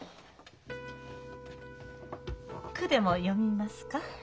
句でも詠みますか？